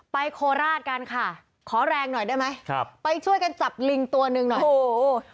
โคราชกันค่ะขอแรงหน่อยได้ไหมครับไปช่วยกันจับลิงตัวหนึ่งหน่อยโอ้โห